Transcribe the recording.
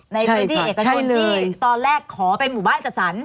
ในพื้นที่เอกชนที่ตอนแรกขอไปหมู่บ้านจัดสรร